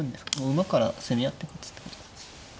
馬から攻め合ってくってことなんですか。